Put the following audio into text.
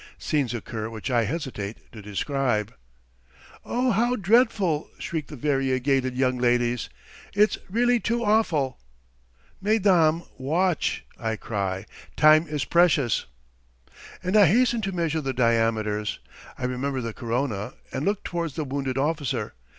Scenes occur which I hesitate to describe. "Oh, how dreadful!" shriek the variegated young ladies. "It's really too awful!" "Mesdames, watch!" I cry. "Time is precious!" And I hasten to measure the diameters. I remember the corona, and look towards the wounded officer.